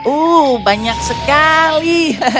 uh banyak sekali